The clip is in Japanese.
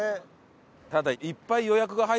ただ。